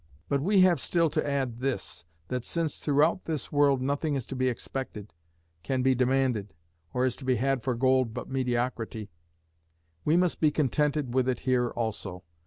But we have still to add this, that since throughout this world nothing is to be expected, can be demanded, or is to be had for gold but mediocrity, we must be contented with it here also.